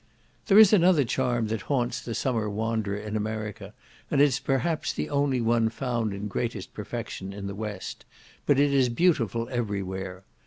There is another charm that haunts the summer wanderer in America, and it is perhaps the only one found in greatest perfection in the West: but it is beautiful every where.